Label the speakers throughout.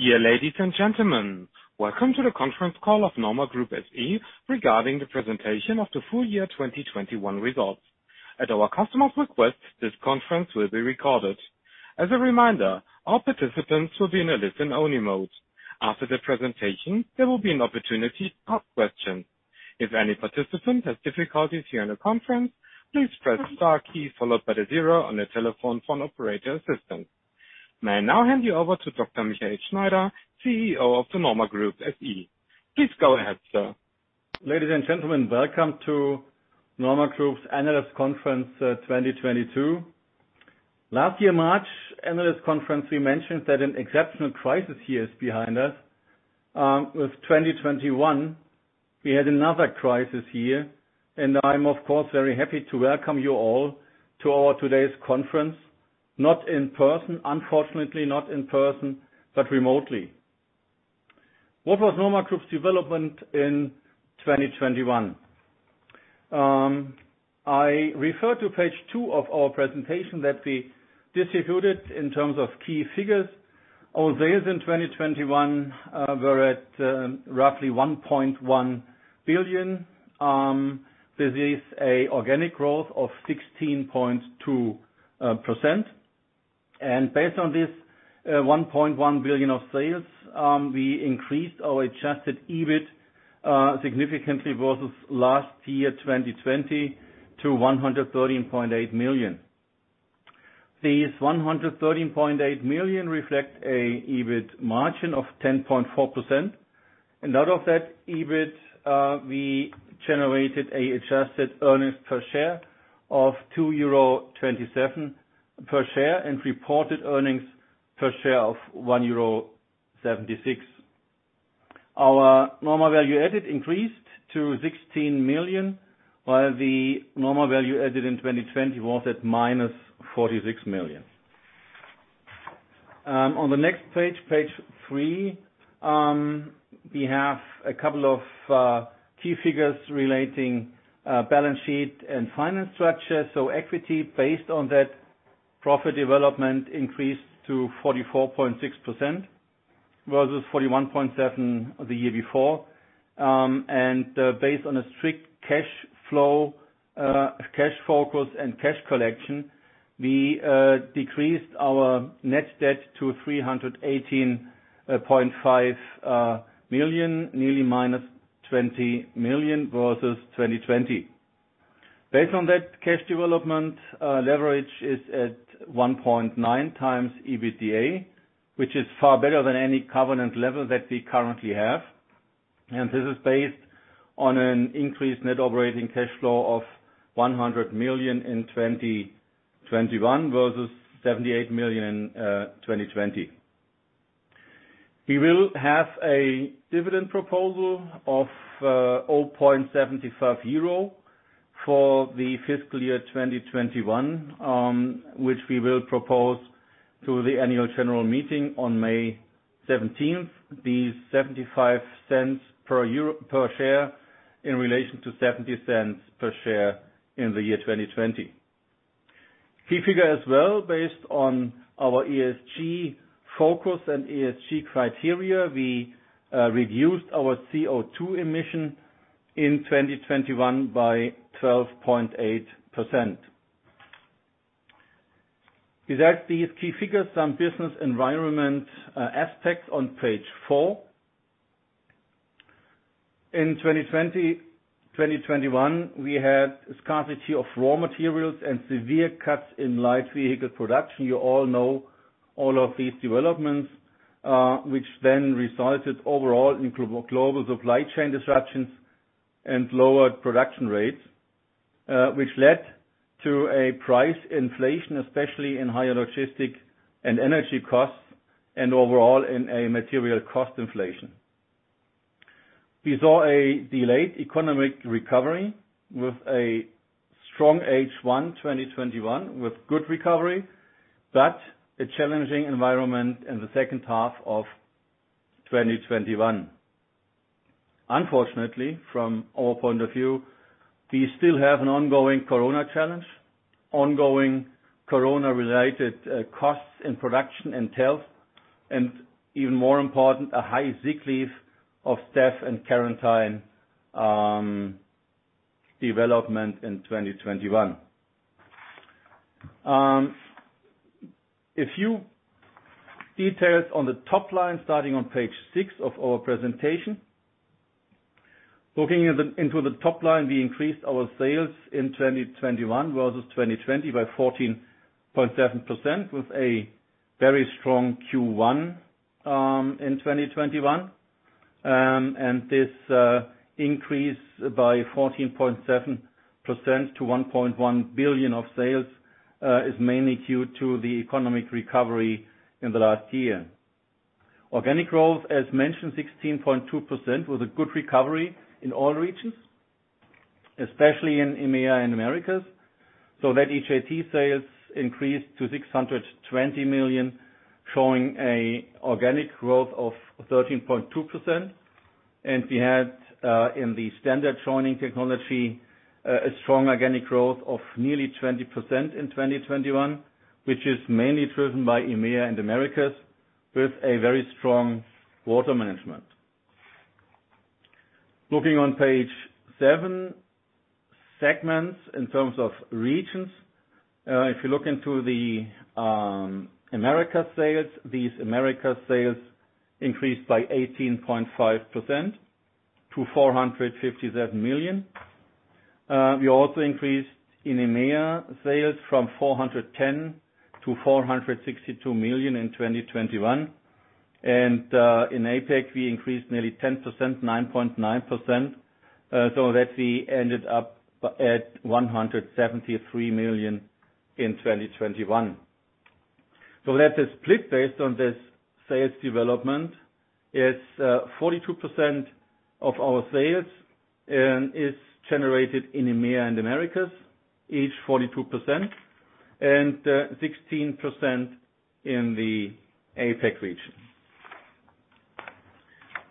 Speaker 1: Dear ladies and gentlemen, welcome to the conference call of NORMA Group SE regarding the presentation of the full year 2021 results. At our customer's request, this conference will be recorded. As a reminder, all participants will be in a listen-only mode. After the presentation, there will be an opportunity to ask questions. If any participant has difficulties during the conference, please press star key followed by the zero on your telephone for an operator assistant. May I now hand you over to Dr. Michael Schneider, CEO of the NORMA Group SE. Please go ahead, sir.
Speaker 2: Ladies and gentlemen, welcome to NORMA Group's analyst conference, 2022. Last year's March analyst conference, we mentioned that an exceptional crisis year is behind us. With 2021, we had another crisis year, and I'm of course very happy to welcome you all to our today's conference, not in person, unfortunately, but remotely. What was NORMA Group's development in 2021? I refer to page two of our presentation that we distributed in terms of key figures. Our sales in 2021 were at roughly 1.1 billion. This is an organic growth of 16.2%. Based on this 1.1 billion of sales, we increased our adjusted EBIT significantly versus last year, 2020, to 113.8 million. These 113.8 million reflect an EBIT margin of 10.4%. Out of that EBIT, we generated an adjusted earnings per share of 2.27 euro per share and reported earnings per share of 1.76 euro. Our NORMA Value Added increased to 16 million, while the NORMA Value Added in 2020 was at -46 million. On the next page three, we have a couple of key figures relating to balance sheet and finance structure. Equity based on that profit development increased to 44.6%, versus 41.7% the year before. Based on a strict cash flow cash focus and cash collection, we decreased our net debt to 318.5 million, nearly -20 million, versus 2020. Based on that cash development, leverage is at 1.9x EBITDA, which is far better than any covenant level that we currently have. This is based on an increased net operating cash flow of 100 million in 2021 versus 78 million in 2020. We will have a dividend proposal of 0.75 euro for the fiscal year 2021, which we will propose to the annual general meeting on May seventeenth. The 0.75 per share in relation to 0.70 per share in the year 2020. Key figure as well, based on our ESG focus and ESG criteria, we reduced our CO₂ emission in 2021 by 12.8%. With that, these key figures, some business environment aspects on page four. In 2020, 2021, we had a scarcity of raw materials and severe cuts in light vehicle production. You all know all of these developments, which then resulted overall in global supply chain disruptions and lowered production rates, which led to a price inflation, especially in higher logistics and energy costs and overall in a material cost inflation. We saw a delayed economic recovery with a strong H1, 2021, with good recovery, but a challenging environment in the second half of 2021. Unfortunately, from our point of view, we still have an ongoing corona challenge, ongoing corona-related costs in production and health, and even more important, a high sick leave of staff and quarantine development in 2021. A few details on the top line starting on page six of our presentation. Looking into the top line, we increased our sales in 2021 versus 2020 by 14.7% with a very strong Q1 in 2021. This increase by 14.7% to 1.1 billion of sales is mainly due to the economic recovery in the last year. Organic growth, as mentioned, 16.2%, was a good recovery in all regions, especially in EMEA and Americas. That EJT sales increased to 620 million, showing an organic growth of 13.2%. We had in the Standardized Joining Technology a strong organic growth of nearly 20% in 2021, which is mainly driven by EMEA and Americas with a very strong water management. Looking on page seven, segments in terms of regions. If you look into the Americas sales, these Americas sales increased by 18.5% to 457 million. We also increased in EMEA sales from 410 million to 462 million in 2021. In APAC, we increased nearly 10%, 9.9%, so that we ended up at 173 million in 2021. That is split based on this sales development is, 42% of our sales is generated in EMEA and Americas, each 42%, and 16% in the APAC region.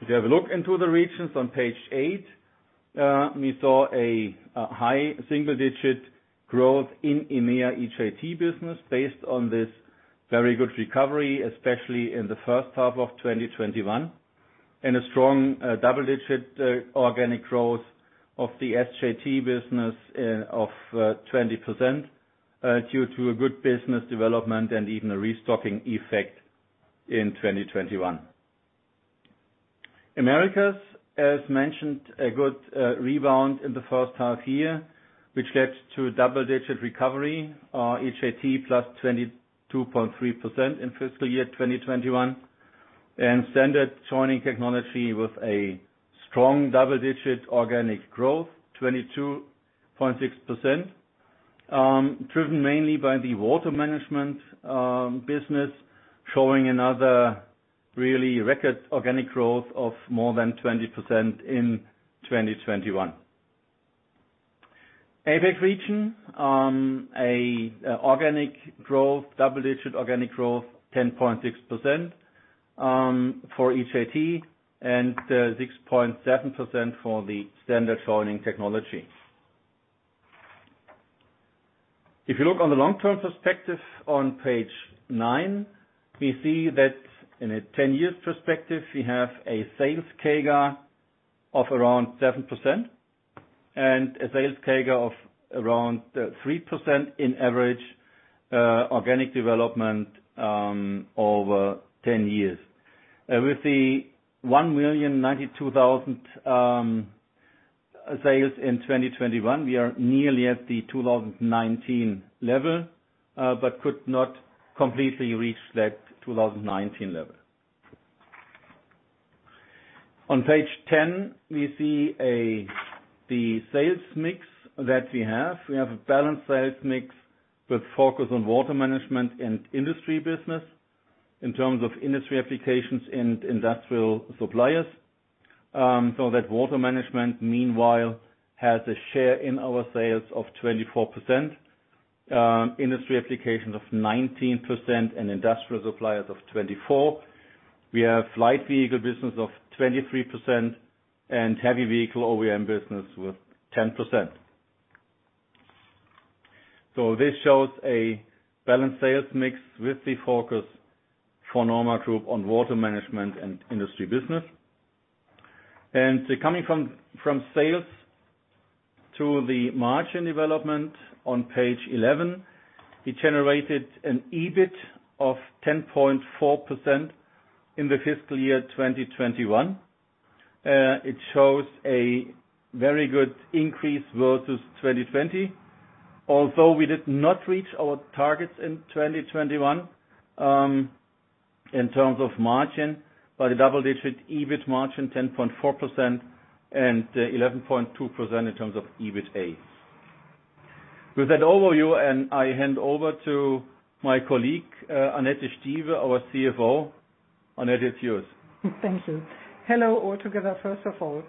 Speaker 2: If you have a look into the regions on page eight, we saw a high single-digit growth in EMEA EJT business based on this very good recovery, especially in the first half of 2021, and a strong double-digit organic growth of the SJT business of 20%, due to a good business development and even a restocking effect in 2021. Americas, as mentioned, a good rebound in the first half year, which led to double-digit recovery. Our EJT +22.3% in fiscal year 2021. Standard Joining Technology with a strong double-digit organic growth, 22.6%, driven mainly by the water management business, showing another really record organic growth of more than 20% in 2021. APAC region, organic growth, double-digit organic growth, 10.6% for EJT and 6.7% for the Standardized Joining Technology. If you look at the long-term perspective on page nine, we see that in a 10-year perspective, we have a sales CAGR of around 7% and a sales CAGR of around 3% on average organic development over 10 years. With 1,092,000 sales in 2021, we are nearly at the 2019 level, but could not completely reach that 2019 level. On page 10, we see the sales mix that we have. We have a balanced sales mix with focus on water management and industry business in terms of industry applications and industrial suppliers. That water management, meanwhile, has a share in our sales of 24%, industry applications of 19%, and industrial suppliers of 24%. We have light vehicle business of 23% and heavy vehicle OEM business with 10%. This shows a balanced sales mix with the focus for NORMA Group on water management and industry business. Coming from sales to the margin development on page 11, we generated an EBIT of 10.4% in the fiscal year 2021. It shows a very good increase versus 2020. Although we did not reach our targets in 2021, in terms of margin, but a double-digit EBIT margin, 10.4% and 11.2% in terms of EBITA. With that overview, I hand over to my colleague, Annette Stieve, our CFO. Annette, it's yours.
Speaker 3: Thank you. Hello all together, first of all.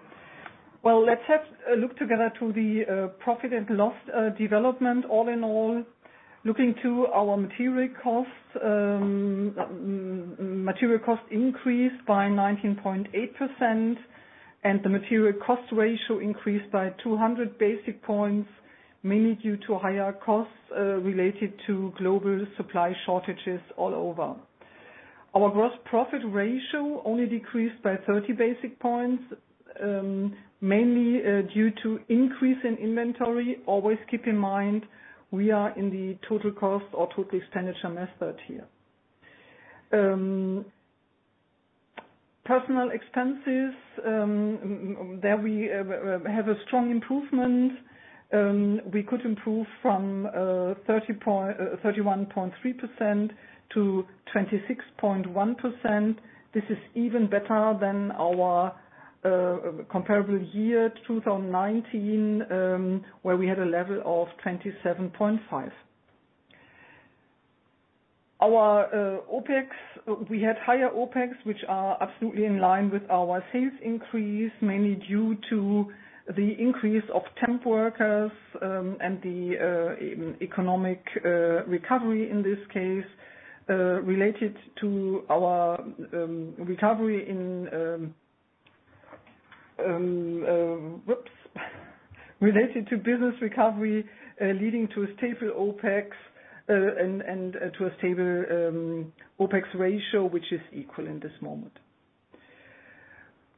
Speaker 3: Well, let's have a look together to the profit and loss development all in all. Looking to our material costs. Material costs increased by 19.8%, and the material cost ratio increased by 200 basis points, mainly due to higher costs related to global supply shortages all over. Our gross profit ratio only decreased by 30 basis points, mainly due to increase in inventory. Always keep in mind, we are in the total cost or total expenditure method here. Personal expenses, there we have a strong improvement. We could improve from 31.3% to 26.1%. This is even better than our comparable year, 2019, where we had a level of 27.5%. Our OpEx, we had higher OpEx, which are absolutely in line with our sales increase, mainly due to the increase of temp workers, and the economic recovery in this case related to business recovery, leading to a stable OpEx and to a stable OpEx ratio, which is equal in this moment.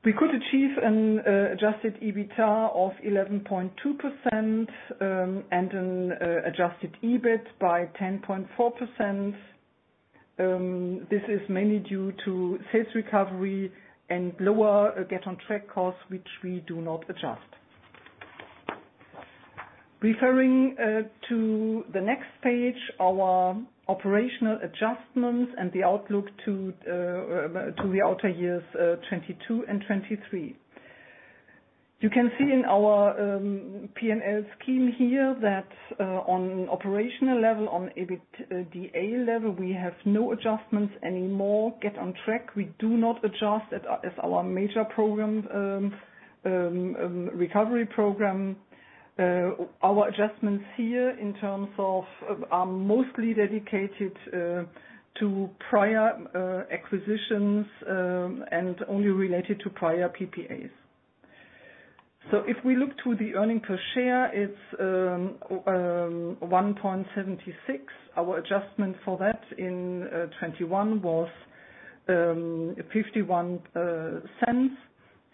Speaker 3: We could achieve an adjusted EBITDA of 11.2%, and an adjusted EBIT of 10.4%. This is mainly due to sales recovery and lower Get on Track costs, which we do not adjust. Referring to the next page, our operational adjustments and the outlook to the outer years, 2022 and 2023. You can see in our P&L scheme here that on operational level, on EBITDA level, we have no adjustments anymore. Get on Track, we do not adjust as our major recovery program. Our adjustments here, in terms of, are mostly dedicated to prior acquisitions and only related to prior PPAs. If we look to the earnings per share, it's 1.76. Our adjustment for that in 2021 was 0.51,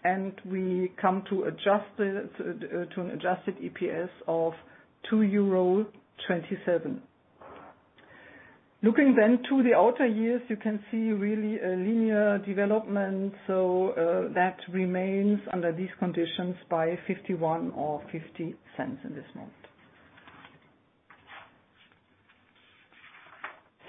Speaker 3: and we come to an adjusted EPS of 2.27 euro. Looking then to the outer years, you can see really a linear development. That remains under these conditions by 0.51 or 0.50 in this moment.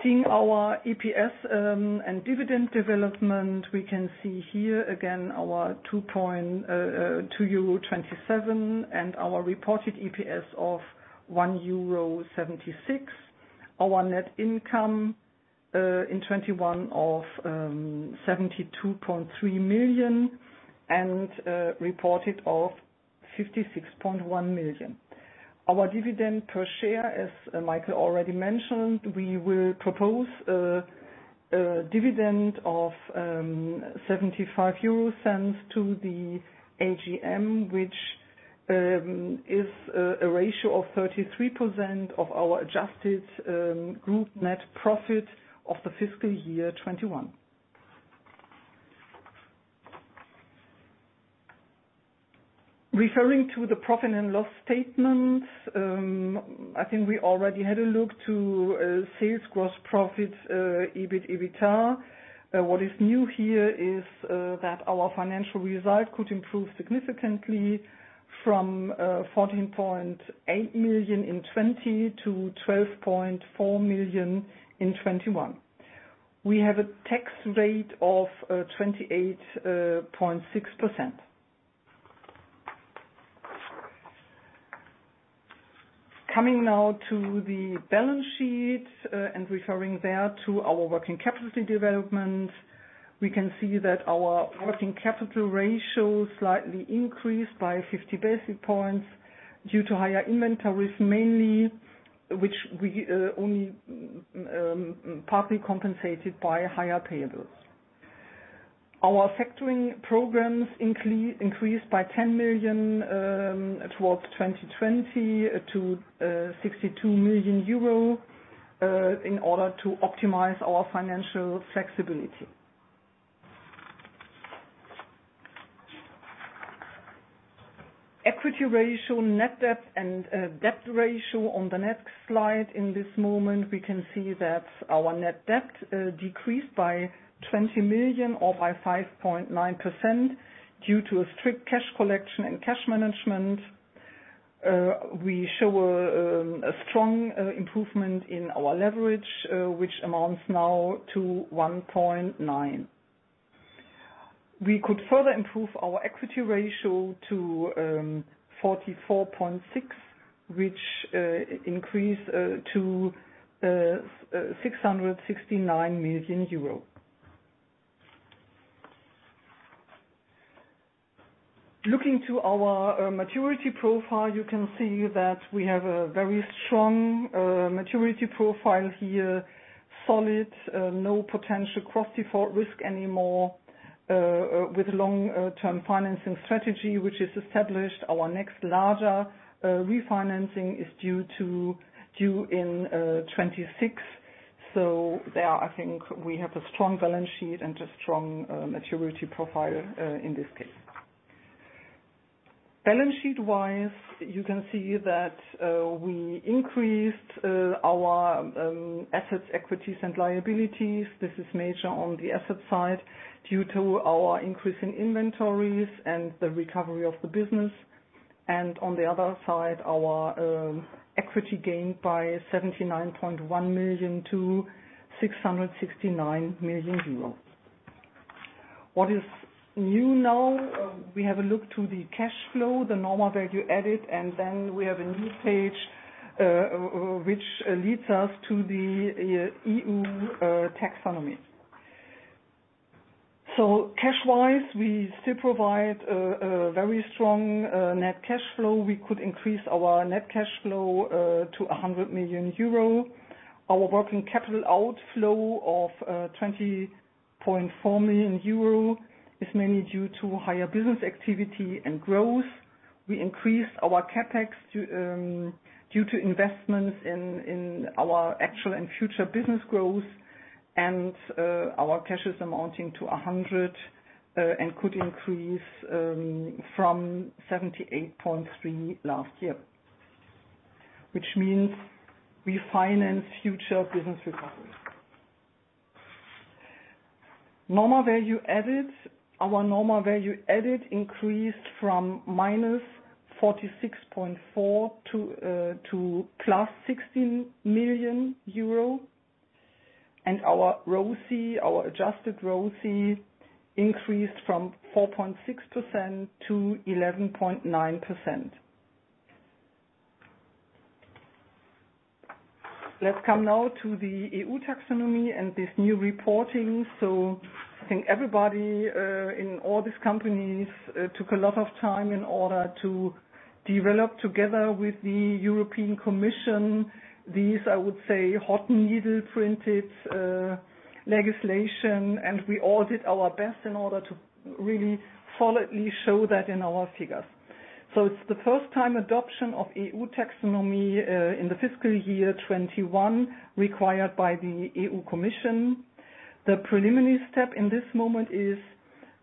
Speaker 3: Seeing our EPS and dividend development, we can see here again our 2.27 euro and our reported EPS of 1.76 euro. Our net income in 2021 of 72.3 million and reported of 56.1 million. Our dividend per share, as Michael already mentioned, we will propose a dividend of 0.75 EUR to the AGM, which is a ratio of 33% of our adjusted group net profit of the fiscal year 2021. Referring to the profit and loss statements, I think we already had a look to sales gross profits, EBIT, EBITDA. What is new here is that our financial result could improve significantly from 14.8 million in 2020 to 12.4 million in 2021. We have a tax rate of 28.6%. Coming now to the balance sheet and referring there to our working capital development, we can see that our working capital ratio slightly increased by 50 basis points due to higher inventories, mainly, which we only partly compensated by higher payables. Our factoring programs increased by 10 million towards 2020 to 62 million euro in order to optimize our financial flexibility. Equity ratio, net debt, and debt ratio on the next slide. In this moment, we can see that our net debt decreased by 20 million or by 5.9% due to a strict cash collection and cash management. We show a strong improvement in our leverage, which amounts now to 1.9. We could further improve our equity ratio to 44.6%, which increase to EUR 669 million. Looking to our maturity profile, you can see that we have a very strong maturity profile here, solid, no potential cross-default risk anymore with long-term financing strategy, which is established. Our next larger refinancing is due in 2026. There, I think we have a strong balance sheet and a strong maturity profile in this case. Balance sheet-wise, you can see that we increased our assets, equity and liabilities. This is mainly on the asset side due to our increase in inventories and the recovery of the business. On the other side, our equity gained by 79.1 million to 669 million euro. What is new now, we have a look to the cash flow, the NORMA Value Added, and then we have a new page, which leads us to the EU taxonomy. Cash-wise, we still provide a very strong net cash flow. We could increase our net cash flow to 100 million euro. Our working capital outflow of 20.4 million euro is mainly due to higher business activity and growth. We increased our CapEx due to investments in our actual and future business growth, and our cash is amounting to 100 and could increase from 78.3 million last year, which means we finance future business recovery. NORMA Value Added. Our NORMA Value Added increased from minus 46.4 million to plus 60 million euro. Our ROCE, our adjusted ROCE increased from 4.6% to 11.9%. Let's come now to the EU taxonomy and this new reporting. I think everybody in all these companies took a lot of time in order to develop together with the European Commission, these, I would say, hot needle printed legislation. We all did our best in order to really solidly show that in our figures. It's the first time adoption of EU taxonomy in the fiscal year 2021 required by the EU Commission. The preliminary step in this moment is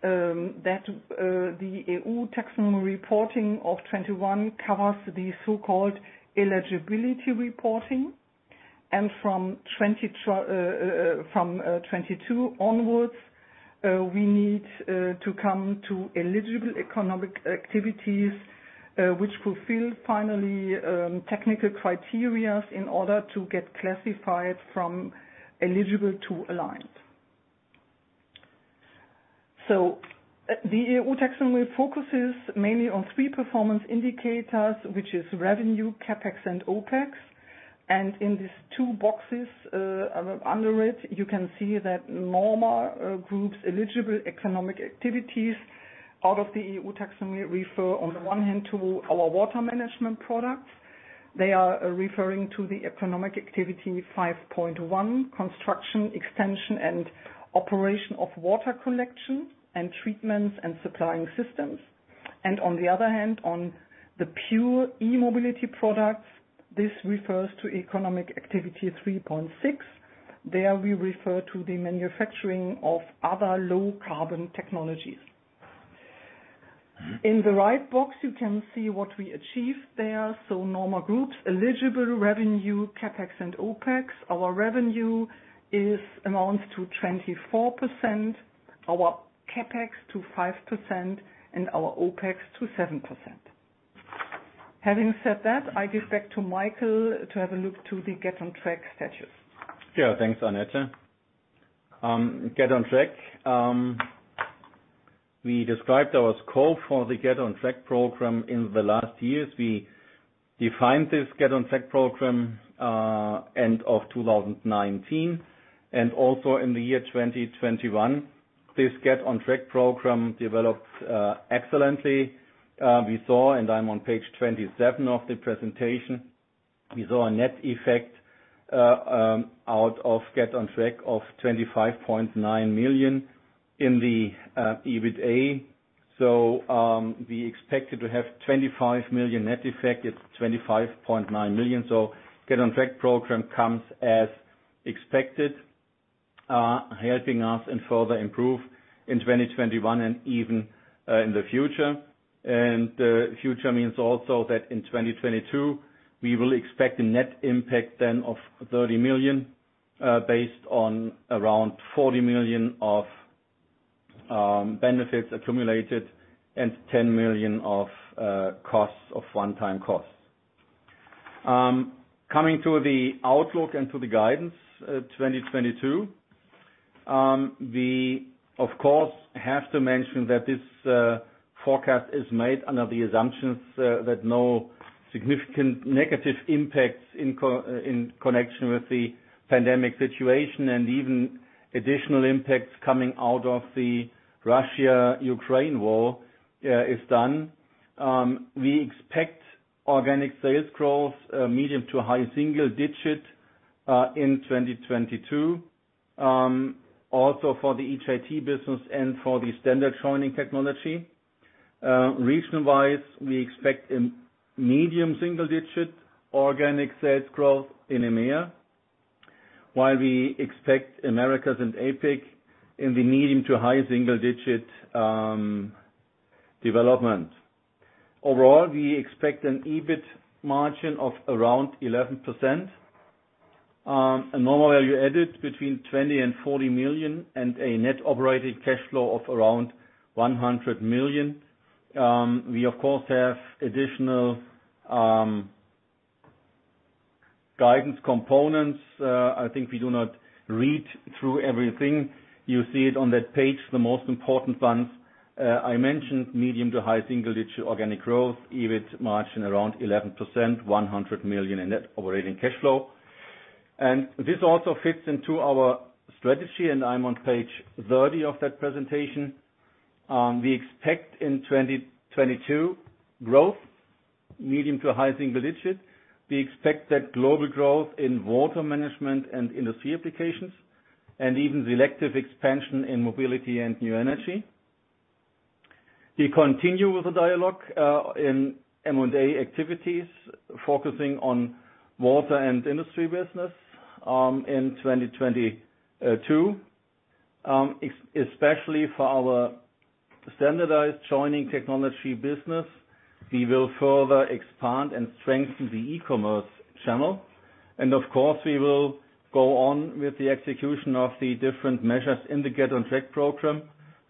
Speaker 3: that the EU taxonomy reporting of 2021 covers the so-called eligibility reporting. From 2022 onwards, we need to come to eligible economic activities, which fulfill finally technical criteria in order to get classified from eligible to aligned. The EU taxonomy focuses mainly on three performance indicators, which is revenue, CapEx, and OpEx. In these two boxes under it, you can see that NORMA Group's eligible economic activities out of the EU taxonomy refer on the one hand to our water management products. They are referring to the economic activity 5.1, construction, extension and operation of water collection and treatment and supply systems. On the other hand, on the pure e-mobility products, this refers to economic activity 3.6. There we refer to the manufacturing of other low carbon technologies. In the right box, you can see what we achieved there. NORMA Group's eligible revenue, CapEx and OpEx. Our revenue amounts to 24%, our CapEx to 5%, and our OpEx to 7%. Having said that, I give back to Michael to have a look to the Get on Track status.
Speaker 2: Yeah, thanks, Annette. Get on Track. We described our scope for the Get on Track program in the last years. We defined this Get on Track program end of 2019 and also in the year 2021. This Get on Track program developed excellently. We saw, and I'm on page 27 of the presentation. We saw a net effect out of Get on Track of 25.9 million in the EBITA. We expected to have 25 million net effect, it's 25.9 million. Get on Track program comes as expected, helping us and further improve in 2021 and even in the future. Future means also that in 2022, we will expect a net impact then of 30 million, based on around 40 million of benefits accumulated and 10 million of costs of one-time costs. Coming to the outlook and to the guidance, 2022. We of course have to mention that this forecast is made under the assumptions that no significant negative impacts in connection with the pandemic situation and even additional impacts coming out of the Russia-Ukraine war is done. We expect organic sales growth mid- to high-single-digit percentage in 2022, also for the EJT business and for the Standardized Joining Technology. Region-wise, we expect a mid-single-digit percentage organic sales growth in EMEA, while we expect Americas and APAC in the mid- to high-single-digit percentage development. Overall, we expect an EBIT margin of around 11%, a NORMA value added between 20 million and 40 million, and a net operating cash flow of around 100 million. We of course have additional guidance components. I think we do not read through everything. You see it on that page, the most important ones. I mentioned medium- to high-single-digit organic growth, EBIT margin around 11%, 100 million in net operating cash flow. This also fits into our strategy, and I'm on page 30 of that presentation. We expect in 2022 growth, medium- to high-single-digits. We expect that global growth in water management and industry applications, and even selective expansion in mobility and new energy. We continue with the dialogue in M&A activities, focusing on water and industry business in 2022. Especially for our Standardized Joining Technology business, we will further expand and strengthen the e-commerce channel. Of course, we will go on with the execution of the different measures in the Get on Track program,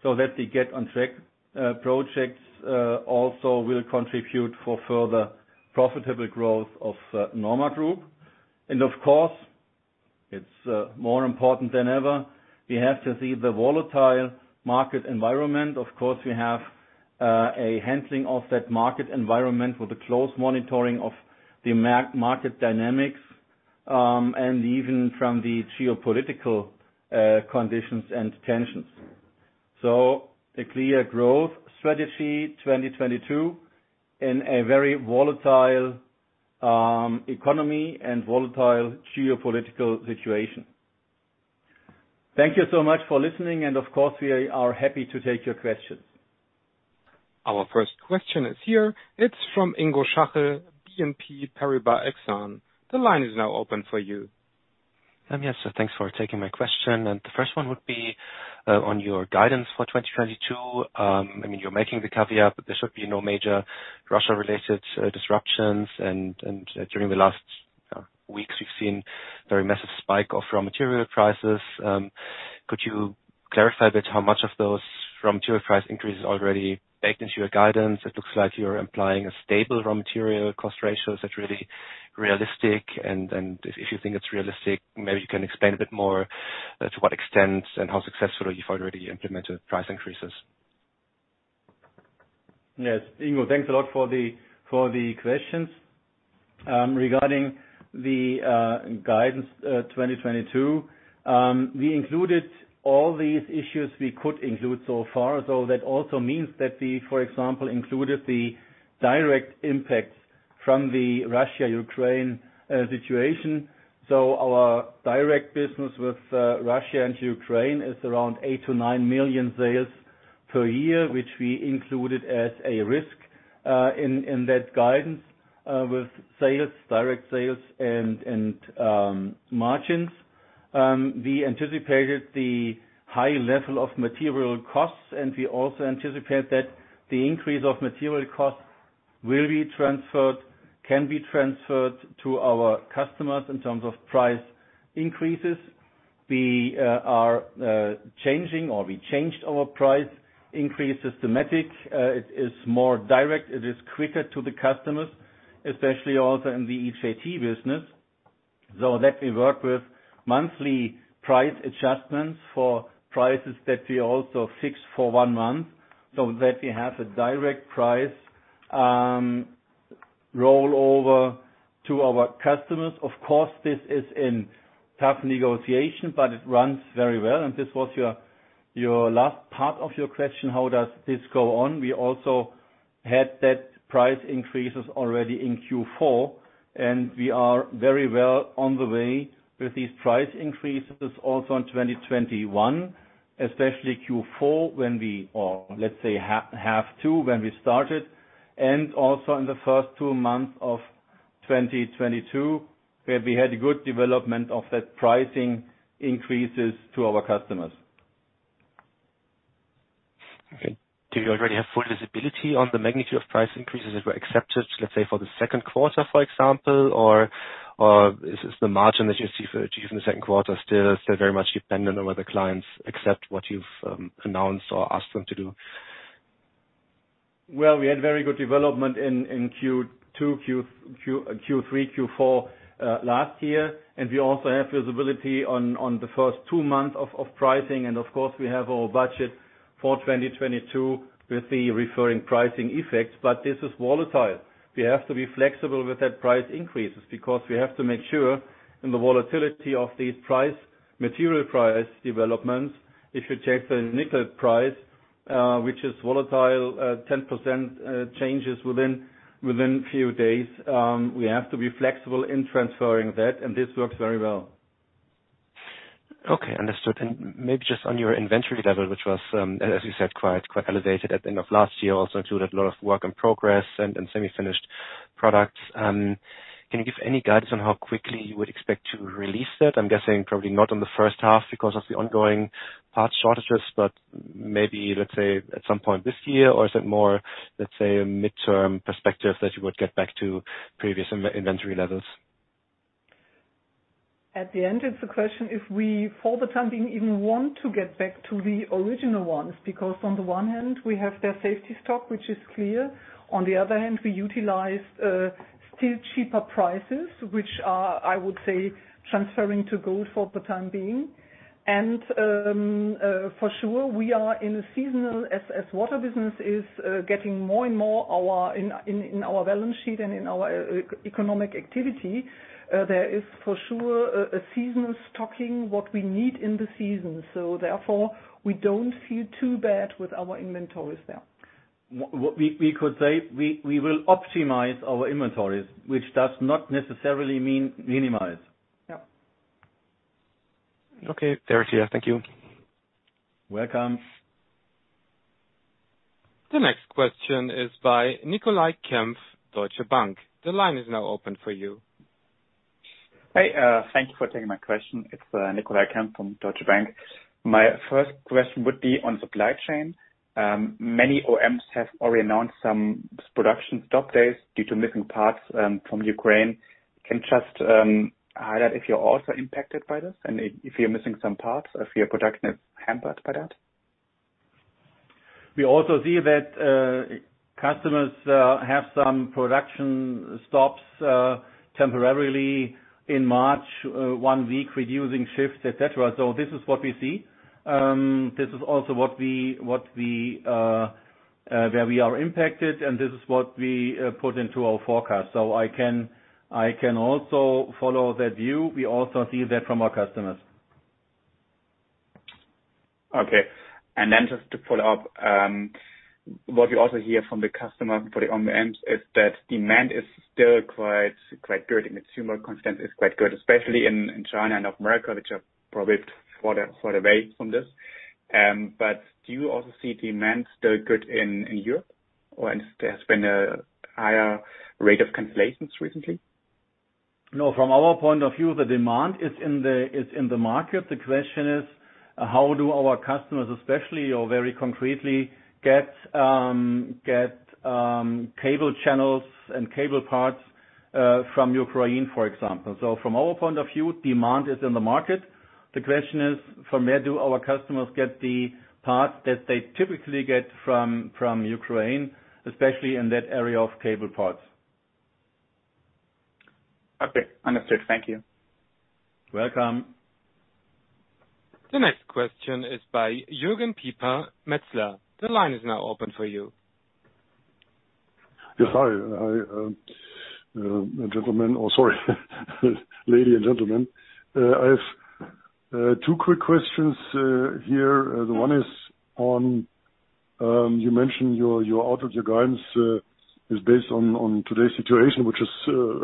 Speaker 2: so that the Get on Track projects also will contribute for further profitable growth of NORMA Group. Of course, it's more important than ever. We have to see the volatile market environment. Of course, we have a handling of that market environment with a close monitoring of the market dynamics, and even from the geopolitical conditions and tensions. A clear growth strategy, 2022, in a very volatile economy and volatile geopolitical situation. Thank you so much for listening, and of course, we are happy to take your questions.
Speaker 1: Our first question is here. It's from Ingo Schachel, BNP Paribas Exane. The line is now open for you.
Speaker 4: Yes. Thanks for taking my question, and the first one would be on your guidance for 2022. I mean, you're making the caveat that there should be no major Russia-related disruptions. During the last weeks, we've seen very massive spike of raw material prices. Could you clarify a bit how much of those raw material price increases are already baked into your guidance? It looks like you're implying a stable raw material cost ratio. Is that really realistic? If you think it's realistic, maybe you can explain a bit more to what extent and how successfully you've already implemented price increases.
Speaker 2: Yes. Ingo, thanks a lot for the questions. Regarding the guidance 2022, we included all these issues we could include so far. That also means that we, for example, included the direct impact from the Russia-Ukraine situation. Our direct business with Russia and Ukraine is around 8 million-9 million sales per year, which we included as a risk in that guidance with sales, direct sales and margins. We anticipated the high level of material costs, and we also anticipate that the increase of material costs will be transferred, can be transferred to our customers in terms of price increases. We are changing, or we changed our price increase system. It is more direct. It is quicker to the customers, especially also in the EJT business. That we work with monthly price adjustments for prices that we also fix for one month, so that we have a direct price roll over to our customers. Of course, this is in tough negotiation, but it runs very well. This was your last part of your question, how does this go on? We also had that price increases already in Q4, and we are very well on the way with these price increases also in 2021, especially H2, when we started, and also in the first two months of 2022, where we had good development of that pricing increases to our customers.
Speaker 4: Okay. Do you already have full visibility on the magnitude of price increases that were accepted, let's say, for the second quarter, for example? Or, is the margin that you see for achieving the second quarter still very much dependent on whether clients accept what you've announced or asked them to do?
Speaker 2: Well, we had very good development in Q2, Q3, Q4 last year. We also have visibility on the first two months of pricing. Of course, we have our budget for 2022 with the resulting pricing effects. This is volatile. We have to be flexible with those price increases because we have to make sure in the volatility of these material price developments. If you check the nickel price, which is volatile, 10% changes within few days, we have to be flexible in transferring that, and this works very well.
Speaker 4: Okay, understood. Maybe just on your inventory level, which was, as you said, quite elevated at the end of last year, also included a lot of work in progress and semi-finished products. Can you give any guidance on how quickly you would expect to release that? I'm guessing probably not on the first half because of the ongoing parts shortages, but maybe, let's say, at some point this year? Or is it more, let's say, a midterm perspective that you would get back to previous inventory levels?
Speaker 3: At the end, it's a question if we, for the time being, even want to get back to the original ones. On the one hand, we have the safety stock, which is clear. On the other hand, we utilize still cheaper prices, which are, I would say, transferring to gold for the time being. For sure, we are in a seasonal, as water business is getting more and more our, in our balance sheet and in our economic activity, there is for sure a seasonal stocking what we need in the season. Therefore, we don't feel too bad with our inventories there.
Speaker 2: We could say we will optimize our inventories, which does not necessarily mean minimize.
Speaker 3: Yep.
Speaker 4: Okay. There, yeah. Thank you.
Speaker 2: Welcome.
Speaker 1: The next question is by Nicolai Kempf, Deutsche Bank. The line is now open for you.
Speaker 5: Hey, thank you for taking my question. It's Nicolai Kempf from Deutsche Bank. My first question would be on supply chain. Many OEMs have already announced some production stop days due to missing parts from Ukraine. Can you just highlight if you're also impacted by this, and if you're missing some parts, if your production is hampered by that?
Speaker 2: We also see that customers have some production stops temporarily in March, one week reducing shifts, et cetera. This is what we see. This is also where we are impacted, and this is what we put into our forecast. I can also follow that view. We also see that from our customers.
Speaker 5: Okay. Just to follow up, what you also hear from the customer for the OEMs is that demand is still quite good and the consumer confidence is quite good, especially in China and North America, which are probably far away from this. Do you also see demand still good in Europe, or has there been a higher rate of cancellations recently?
Speaker 2: No. From our point of view, the demand is in the market. The question is how do our customers, especially or very concretely, get cable channels and cable parts from Ukraine, for example. From our point of view, demand is in the market. The question is from where do our customers get the parts that they typically get from Ukraine, especially in that area of cable parts.
Speaker 5: Okay. Understood. Thank you.
Speaker 2: Welcome.
Speaker 1: The next question is by Jürgen Pieper, Metzler. The line is now open for you.
Speaker 6: Yes. Hi. Hi, gentlemen. Oh, sorry. Lady and gentlemen, I have two quick questions here. The one is on, you mentioned your outlook guidance is based on today's situation, which is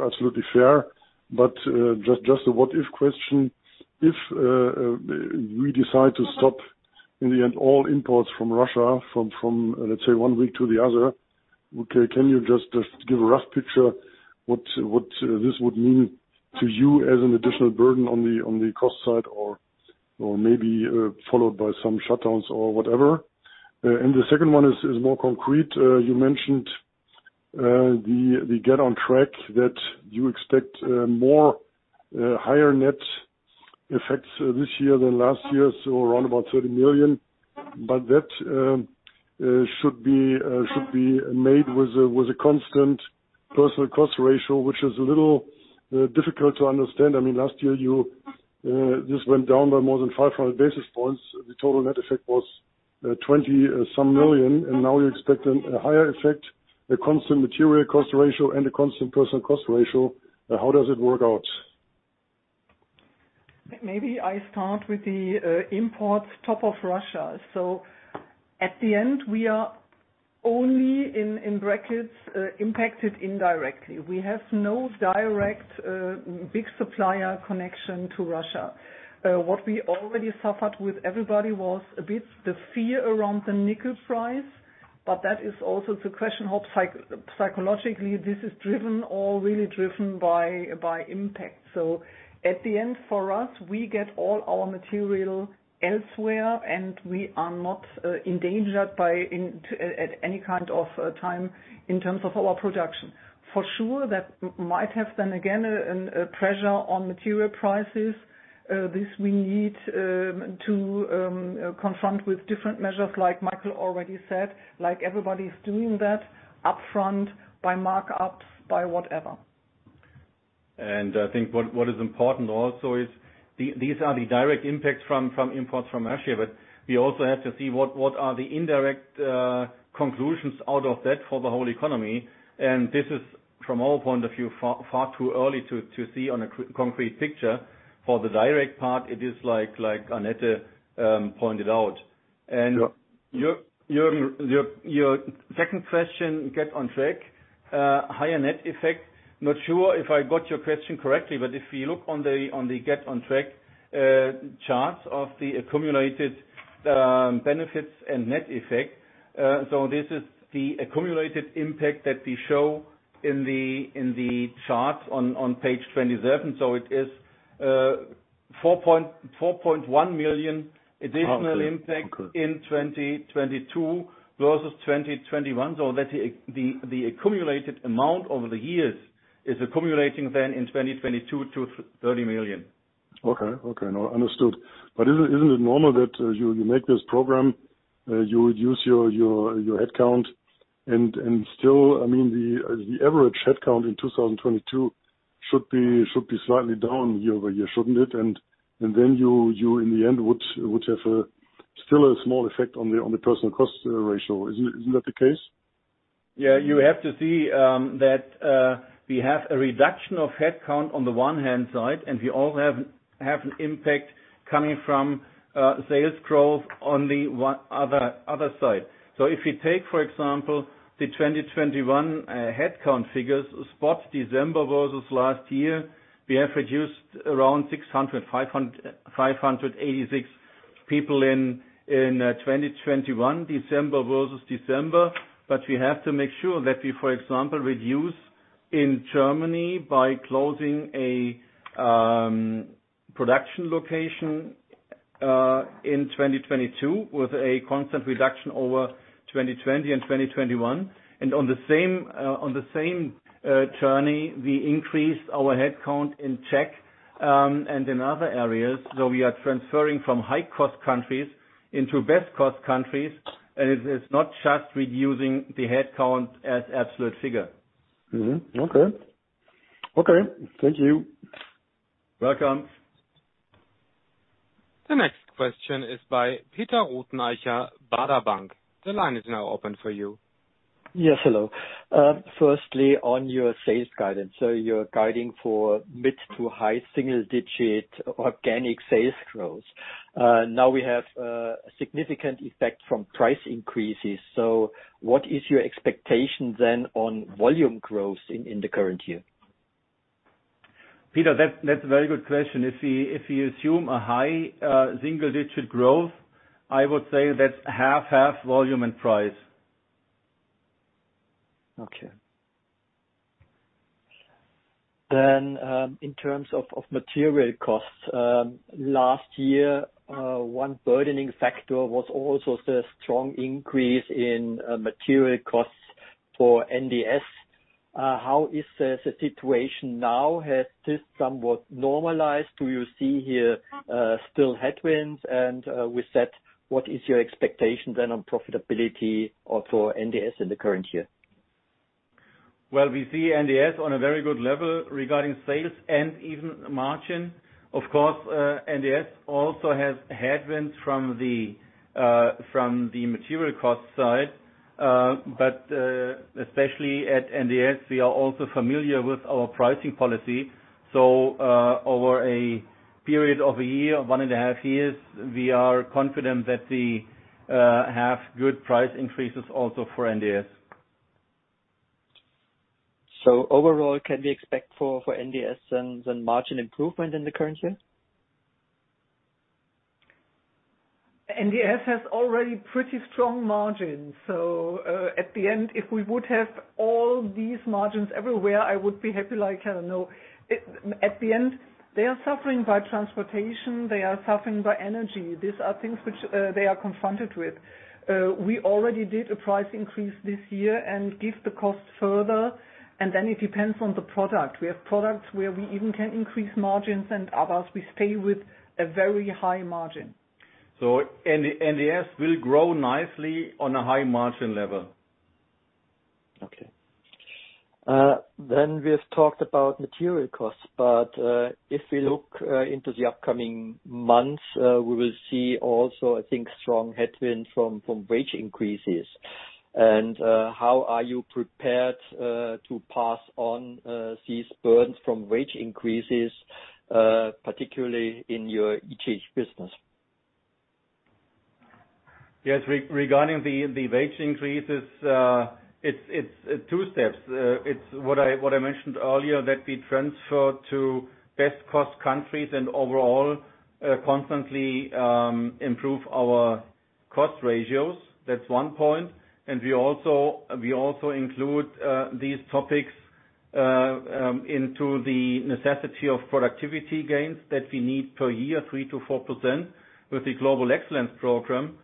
Speaker 6: absolutely fair. Just a what if question, if we decide to stop in the end all imports from Russia from, let's say, one week to the other, okay, can you just give a rough picture what this would mean to you as an additional burden on the cost side or maybe followed by some shutdowns or whatever? The second one is more concrete. You mentioned the Get on Track that you expect more higher net effects this year than last year, so around about 30 million. That should be made with a constant personal cost ratio, which is a little difficult to understand. I mean, last year you this went down by more than 500 basis points. The total net effect was 20-some million, and now you're expecting a higher effect, a constant material cost ratio and a constant personal cost ratio. How does it work out?
Speaker 3: Maybe I start with the impact on top of Russia. At the end, we are only in brackets impacted indirectly. We have no direct big supplier connection to Russia. What we already suffered with everybody was a bit the fear around the nickel price, but that is also the question how psychologically this is driven or really driven by impact. At the end for us, we get all our material elsewhere, and we are not endangered by at any kind of time in terms of our production. For sure, that might have been again a pressure on material prices. This we need to confront with different measures, like Michael already said, like everybody is doing that upfront by markups, by whatever.
Speaker 2: I think what is important also is these are the direct impacts from imports from Russia, but we also have to see what are the indirect conclusions out of that for the whole economy. This is, from our point of view, far too early to see on a concrete picture. For the direct part, it is like Annette pointed out. Your second question, Get on Track, higher net effect. Not sure if I got your question correctly, but if you look on the Get on Track charts of the accumulated benefits and net effect, so this is the accumulated impact that we show in the charts on page 27. It is 4.1 million additional impact in 2022 versus 2021. that the accumulated amount over the years is accumulating then in 2022 to 30 million.
Speaker 6: Okay. No, understood. Isn't it normal that you make this program, you reduce your headcount and still, I mean, the average headcount in 2022 should be slightly down year-over-year, shouldn't it? Then you in the end would have still a small effect on the personnel cost ratio. Isn't that the case?
Speaker 2: Yeah, you have to see that we have a reduction of headcount on the one hand side, and we also have an impact coming from sales growth on the other side. If you take, for example, the 2021 headcount figures, as of December versus last year, we have reduced around 586 people in 2021, December versus December. We have to make sure that we, for example, reduce in Germany by closing a production location in 2022, with a constant reduction over 2020 and 2021. On the same journey, we increased our headcount in Czech and in other areas. We are transferring from high cost countries into best cost countries, and it is not just reducing the headcount as absolute figure.
Speaker 6: Okay. Thank you.
Speaker 2: Welcome.
Speaker 1: The next question is by Peter Rothenaicher, Baader Bank. The line is now open for you.
Speaker 7: Yes. Hello. Firstly on your sales guidance. You're guiding for mid- to high-single-digit organic sales growth. Now we have a significant effect from price increases. What is your expectation then on volume growth in the current year?
Speaker 2: Peter, that's a very good question. If we assume a high single digit growth, I would say that's half/half volume and price.
Speaker 7: Okay. In terms of material costs, last year, one burdening factor was also the strong increase in material costs for NDS. How is the situation now? Has this somewhat normalized? Do you see here still headwinds? With that, what is your expectation then on profitability also NDS in the current year?
Speaker 2: Well, we see NDS on a very good level regarding sales and even margin. Of course, NDS also has headwinds from the material cost side. Especially at NDS, we are also familiar with our pricing policy. Over a period of a year, one and a half years, we are confident that we have good price increases also for NDS.
Speaker 7: Overall, can we expect for NDS then margin improvement in the current year?
Speaker 3: NDS has already pretty strong margins. At the end, if we would have all these margins everywhere, I would be happy like hell, no. At the end, they are suffering by transportation, they are suffering by energy. These are things which they are confronted with. We already did a price increase this year and give the cost further, and then it depends on the product. We have products where we even can increase margins, and others we stay with a very high margin.
Speaker 2: NDS will grow nicely on a high margin level.
Speaker 7: Okay. Then we have talked about material costs, but if we look into the upcoming months, we will see also, I think, strong headwind from wage increases. How are you prepared to pass on these burdens from wage increases, particularly in your EJT business?
Speaker 2: Yes. Regarding the wage increases, it's two steps. It's what I mentioned earlier, that we transfer to best cost countries and overall constantly improve our cost ratios. That's one point. We also include these topics into the necessity of productivity gains that we need per year, 3%-4% with the Global Excellence Program.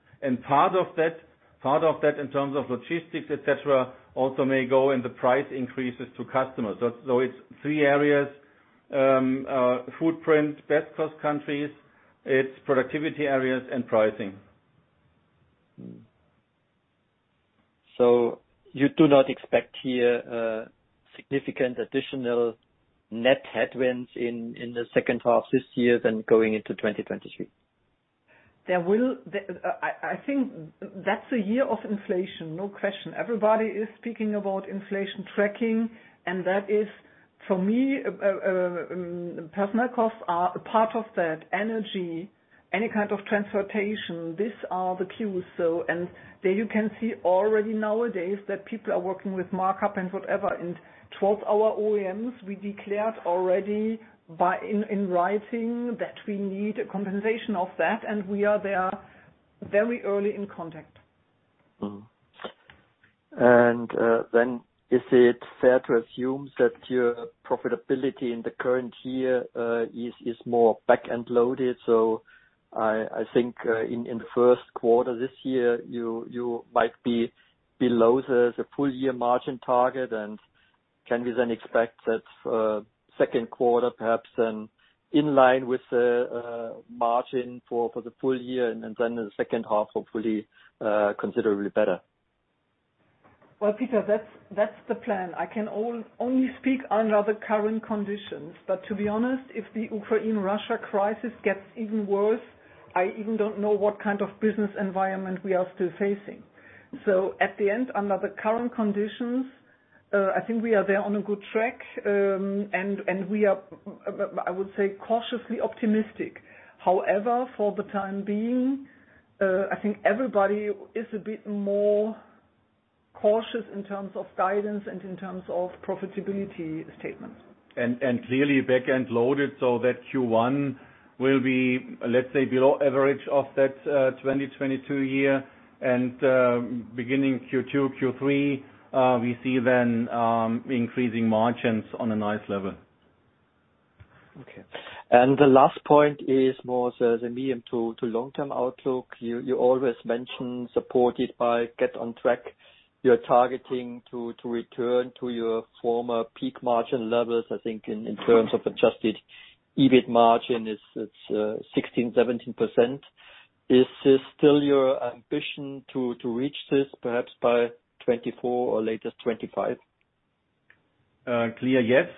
Speaker 2: Part of that in terms of logistics, et cetera, also may go in the price increases to customers. It's three areas, footprint, best cost countries, productivity areas and pricing.
Speaker 7: You do not expect here significant additional net headwinds in the second half this year than going into 2023?
Speaker 3: I think that's a year of inflation, no question. Everybody is speaking about inflation tracking, and that is, for me, personnel costs are a part of that. Energy, any kind of transportation, these are the cues. So there you can see already nowadays that people are working with markup and whatever. Towards our OEMs, we declared already in writing that we need a compensation of that, and we are there very early in contact.
Speaker 7: Then is it fair to assume that your profitability in the current year is more back-end loaded? I think in the first quarter this year, you might be below the full year margin target. Can we then expect that second quarter perhaps in line with the margin for the full year, and then the second half hopefully considerably better?
Speaker 3: Well, Peter, that's the plan. I can only speak under the current conditions, but to be honest, if the Ukraine-Russia crisis gets even worse, I even don't know what kind of business environment we are still facing. At the end, under the current conditions, I think we are there on a good track, and we are, I would say cautiously optimistic. However, for the time being, I think everybody is a bit more cautious in terms of guidance and in terms of profitability statements.
Speaker 2: Clearly back-end loaded, so that Q1 will be, let's say, below average of that 2022 year. Beginning Q2, Q3, we see then increasing margins on a nice level.
Speaker 7: Okay. The last point is more the medium to long-term outlook. You always mention supported by Get on Track. You're targeting to return to your former peak margin levels, I think in terms of adjusted EBIT margin, it's 16%-17%. Is this still your ambition to reach this perhaps by 2024 or latest 2025?
Speaker 2: Clear, yes.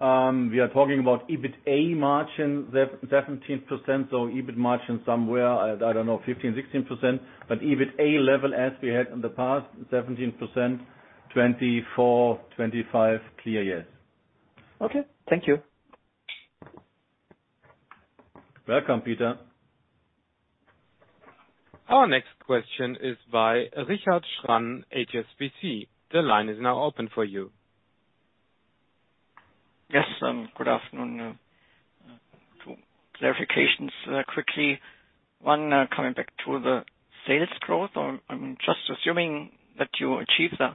Speaker 2: We are talking about EBITA margin, 17%, so EBIT margin somewhere, I don't know, 15%-16%. EBITA level as we had in the past, 17%, 2024, 2025, clear, yes.
Speaker 7: Okay. Thank you.
Speaker 2: Welcome, Peter.
Speaker 1: Our next question is by Richard Schramm, HSBC. The line is now open for you.
Speaker 8: Yes, good afternoon. Two clarifications, quickly. One, coming back to the sales growth. I mean, just assuming that you achieve the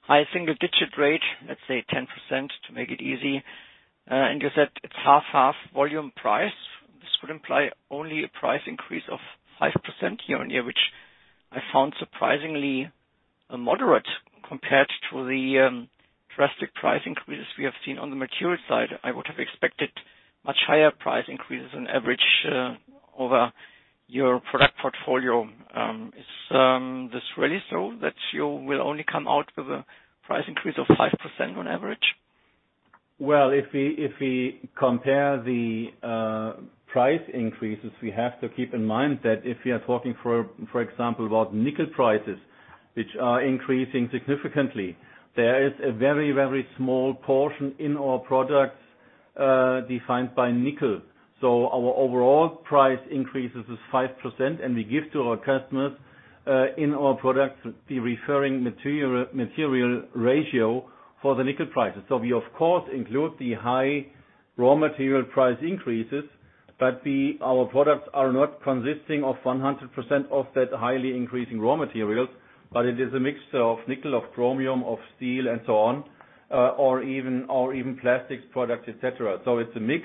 Speaker 8: high single-digit rate, let's say 10% to make it easy. You said it's half/half volume price. This would imply only a price increase of 5% year-on-year, which I found surprisingly moderate compared to the drastic price increases we have seen on the material side. I would have expected much higher price increases on average over your product portfolio. Is this really so that you will only come out with a price increase of 5% on average?
Speaker 2: Well, if we compare the price increases, we have to keep in mind that if we are talking for example about nickel prices, which are increasing significantly, there is a very small portion in our products defined by nickel. Our overall price increases is 5%, and we give to our customers in our products the referring material ratio for the nickel prices. We of course include the high raw material price increases, but our products are not consisting of 100% of that highly increasing raw materials, but it is a mixture of nickel, of chromium, of steel and so on, or even plastics products, et cetera. It's a mix.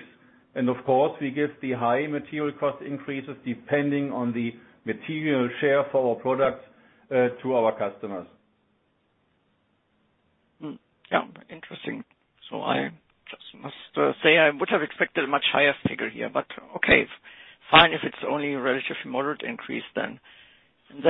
Speaker 2: Of course we give the high material cost increases depending on the material share for our products to our customers.
Speaker 8: Interesting. I just must say I would have expected a much higher figure here, but okay, fine, if it's only a relatively moderate increase then. You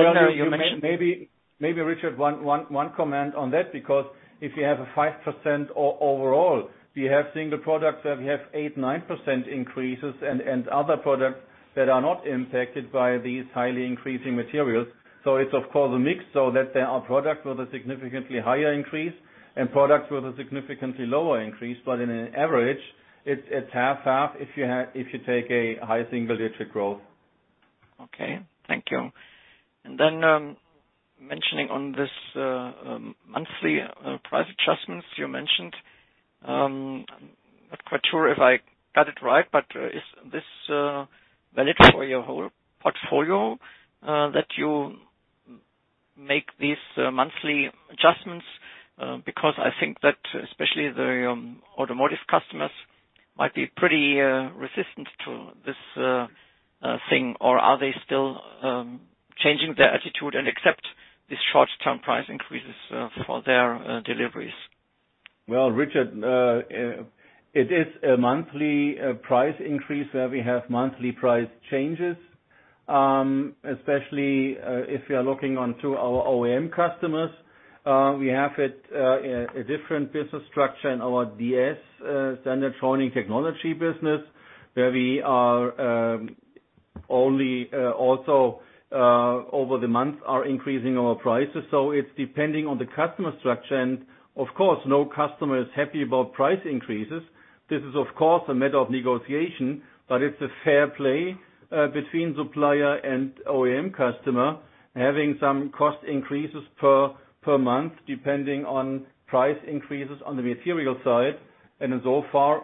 Speaker 8: mentioned-
Speaker 2: Well, maybe Richard, one comment on that, because if you have a 5% overall, we have single products that we have 8%, 9% increases and other products that are not impacted by these highly increasing materials. It's of course a mix, so that there are products with a significantly higher increase and products with a significantly lower increase. On average, it's half half if you take a high single-digit growth.
Speaker 8: Okay. Thank you. Then, mentioning on this, monthly price adjustments you mentioned, I'm not quite sure if I got it right, but is this valid for your whole portfolio, that you make these monthly adjustments? Because I think that especially the automotive customers might be pretty resistant to this thing. Or are they still changing their attitude and accept these short-term price increases for their deliveries?
Speaker 2: Well, Richard, it is a monthly price increase, where we have monthly price changes, especially if you are looking onto our OEM customers. We have it a different business structure in our SJT, Standardized Joining Technology business, where we are only also over the months are increasing our prices. It's depending on the customer structure. Of course, no customer is happy about price increases. This is of course a matter of negotiation, but it's a fair play between supplier and OEM customer, having some cost increases per month, depending on price increases on the material side. So far,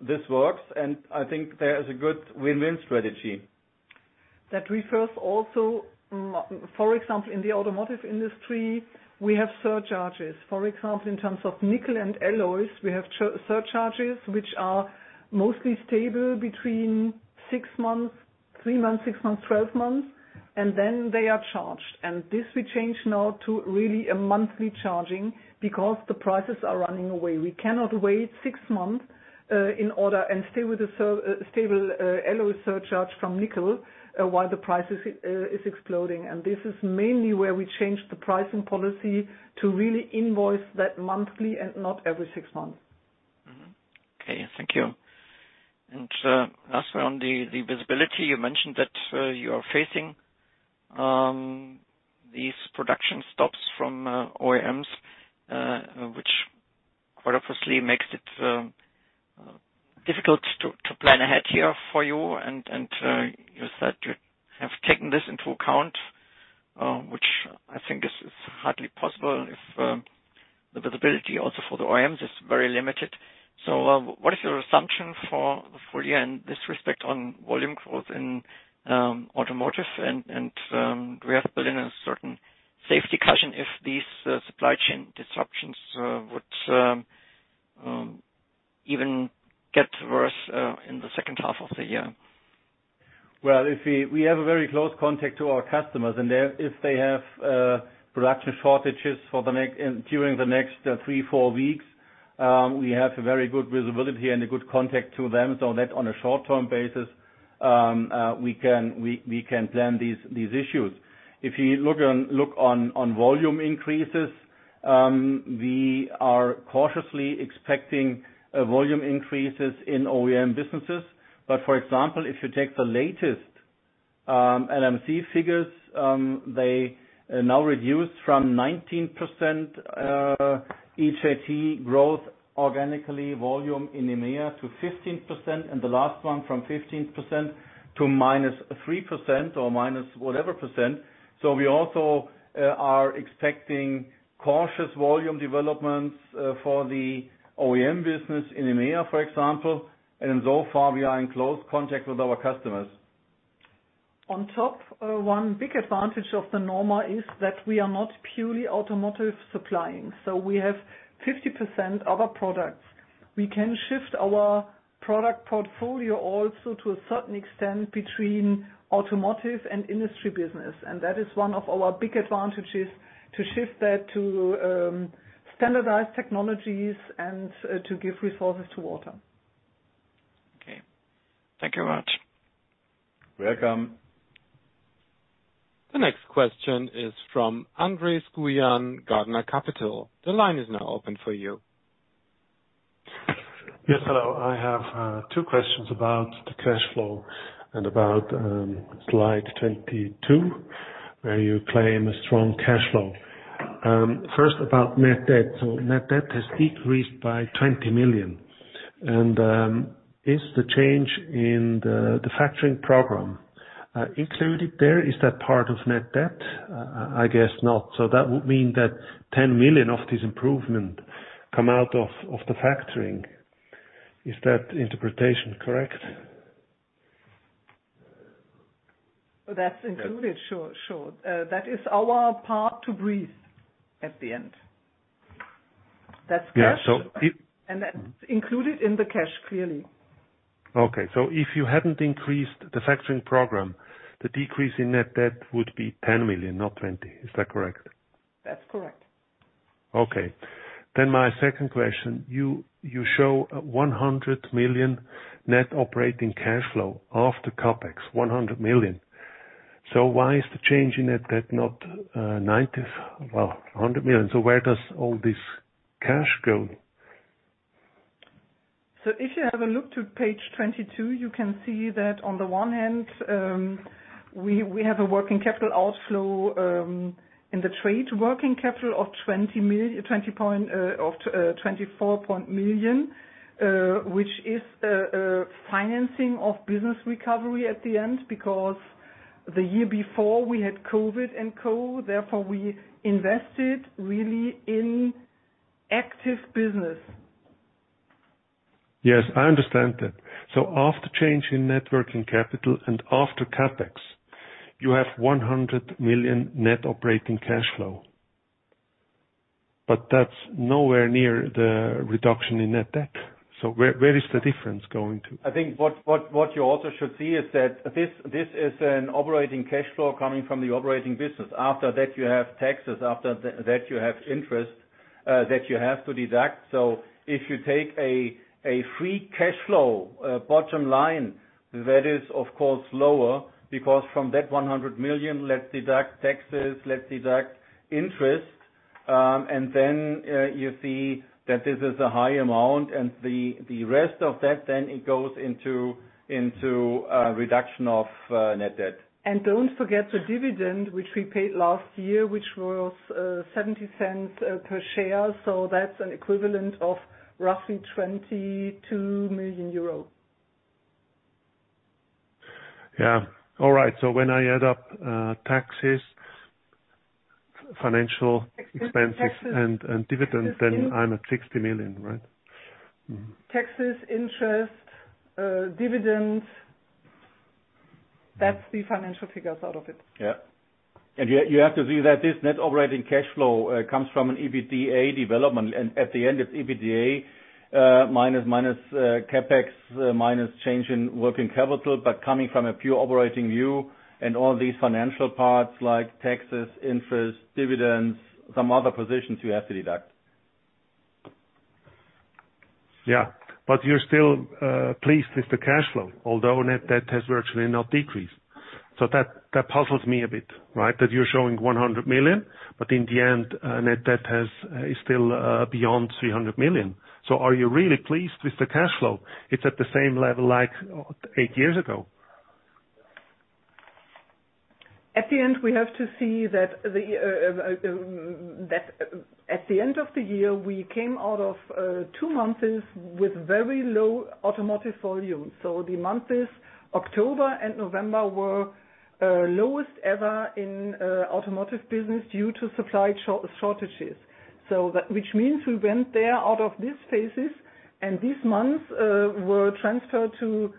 Speaker 2: this works, and I think there is a good win-win strategy.
Speaker 3: That refers also for example, in the automotive industry, we have surcharges. For example, in terms of nickel and alloys, we have surcharges which are mostly stable between six months, three months, six months, 12 months, and then they are charged. This we change now to really a monthly charging because the prices are running away. We cannot wait six months in order and stay with the stable alloy surcharge from nickel while the price is exploding. This is mainly where we changed the pricing policy to really invoice that monthly and not every six months.
Speaker 8: Okay, thank you. Last one on the visibility. You mentioned that you are facing these production stops from OEMs, which quite obviously makes it difficult to plan ahead here for you and you said you have taken this into account, which I think is hardly possible if the visibility also for the OEMs is very limited. What is your assumption in this respect on volume growth in automotive and do you have to build in a certain safety cushion if these supply chain disruptions would even get worse in the second half of the year?
Speaker 2: Well, if we have a very close contact to our customers, and if they have production shortages during the next three-four weeks, we have a very good visibility and a good contact to them so that on a short-term basis, we can plan these issues. If you look on volume increases, we are cautiously expecting volume increases in OEM businesses. For example, if you take the latest LMC figures, they now reduce from 19% LVP growth organically volume in EMEA to 15%, and the last one from 15% to -3% or minus whatever percent. We also are expecting cautious volume developments for the OEM business in EMEA, for example, and insofar we are in close contact with our customers.
Speaker 3: On top, one big advantage of the NORMA is that we are not purely automotive supplying. We have 50% other products. We can shift our product portfolio also to a certain extent between automotive and industry business. That is one of our big advantages to shift that to standardized technologies and to give resources to auto.
Speaker 8: Okay. Thank you much.
Speaker 2: Welcome.
Speaker 1: The next question is from Adrien Ouillon, Gardner Capital. The line is now open for you.
Speaker 9: Yes, hello. I have two questions about the cash flow and about slide 22, where you claim a strong cash flow. First about net debt. Net debt has decreased by 20 million. Is the change in the factoring program included there? Is that part of net debt? I guess not. That would mean that 10 million of this improvement come out of the factoring. Is that interpretation correct?
Speaker 3: That's included. Sure, sure. That is our part to brief at the end. That's cash.
Speaker 9: Yeah.
Speaker 3: That's included in the cash, clearly.
Speaker 9: Okay. If you hadn't increased the factoring program, the decrease in net debt would be 10 million, not 20 million. Is that correct?
Speaker 3: That's correct.
Speaker 9: Okay. My second question. You show 100 million net operating cash flow after CapEx. Why is the change in net debt not 90 million? Well, 100 million. Where does all this cash go?
Speaker 3: If you have a look at page 22, you can see that on the one hand, we have a working capital outflow in the trade working capital of 24 million, which is financing of business recovery at the end because the year before we had COVID and co, therefore, we invested really in active business.
Speaker 9: Yes, I understand that. After change in net working capital and after CapEx, you have 100 million net operating cash flow. That's nowhere near the reduction in net debt. Where is the difference going to?
Speaker 2: I think what you also should see is that this is an operating cash flow coming from the operating business. After that, you have taxes. After that, you have interest that you have to deduct. If you take a free cash flow bottom line, that is of course lower because from that 100 million, let's deduct taxes, let's deduct interest, and then you see that this is a high amount and the rest of that then it goes into reduction of net debt.
Speaker 3: Don't forget the dividend which we paid last year, which was 0.70 per share. That's an equivalent of roughly 22 million euros.
Speaker 9: Yeah. All right. When I add up taxes, financial expenses-
Speaker 3: Expenses, taxes.
Speaker 9: And, and dividend-
Speaker 3: Dividend.
Speaker 9: I'm at 60 million, right? Mm-hmm.
Speaker 3: Taxes, interest, dividends, that's the financial figures out of it.
Speaker 9: Yeah.
Speaker 2: Yeah, you have to see that this net operating cash flow comes from an EBITDA development. At the end, it's EBITDA minus CapEx minus change in working capital, but coming from a pure operating view and all these financial parts like taxes, interest, dividends, some other positions you have to deduct.
Speaker 9: Yeah. You're still pleased with the cash flow, although net debt has virtually not decreased. That puzzles me a bit, right? That you're showing 100 million, but in the end, net debt is still beyond 300 million. Are you really pleased with the cash flow? It's at the same level like eight years ago.
Speaker 3: At the end, we have to see that at the end of the year, we came out of two months with very low automotive volume. The months is October and November were lowest ever in automotive business due to supply shortages. Which means we went there out of these phases, and these months were transferred to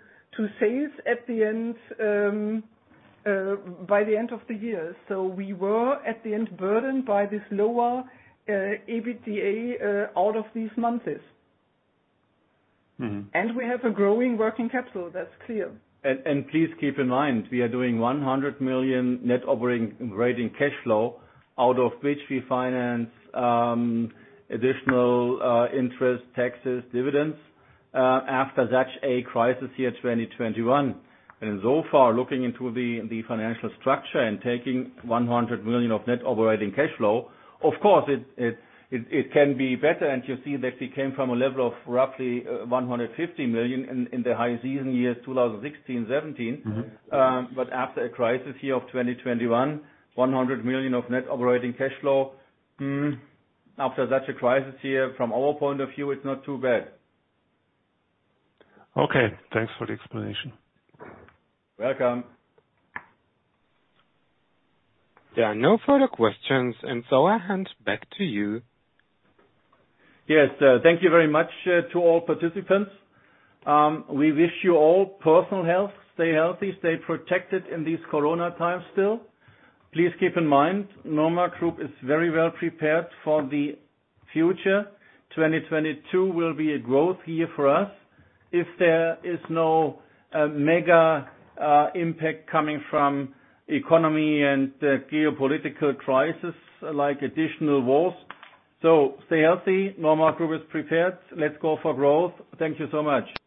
Speaker 3: sales at the end by the end of the year. We were, at the end, burdened by this lower EBITDA out of these months.
Speaker 9: Mm-hmm.
Speaker 3: We have a growing working capital, that's clear.
Speaker 2: Please keep in mind, we are generating 100 million net operating cash flow, out of which we finance additional interest, taxes, dividends after such a crisis year, 2021. So far, looking into the financial structure and taking 100 million of net operating cash flow, of course, it can be better. You see that we came from a level of roughly 150 million in the high season years, 2016, 2017.
Speaker 9: Mm-hmm.
Speaker 2: After a crisis year of 2021, 100 million of net operating cash flow, after such a crisis year, from our point of view, it's not too bad.
Speaker 9: Okay, thanks for the explanation.
Speaker 2: Welcome.
Speaker 1: There are no further questions, and so I hand back to you.
Speaker 2: Yes, thank you very much to all participants. We wish you all personal health. Stay healthy, stay protected in these COVID times still. Please keep in mind, NORMA Group is very well prepared for the future. 2022 will be a growth year for us if there is no mega impact coming from economic and geopolitical crisis, like additional wars. Stay healthy. NORMA Group is prepared. Let's go for growth. Thank you so much.